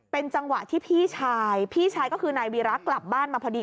เป็นจังหวะที่พี่ชายพี่ชายก็คือนายวีระกลับบ้านมาพอดี